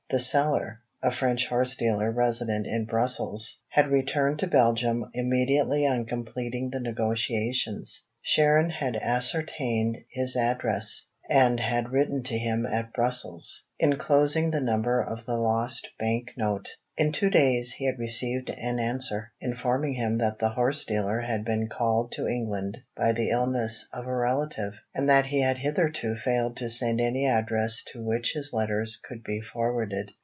The seller (a French horse dealer resident in Brussels) had returned to Belgium immediately on completing the negotiations. Sharon had ascertained his address, and had written to him at Brussels, inclosing the number of the lost banknote. In two days he had received an answer, informing him that the horse dealer had been called to England by the illness of a relative, and that he had hitherto failed to send any address to which his letters could be forwarded.